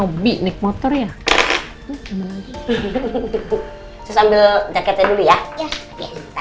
terus ambil jaketnya dulu ya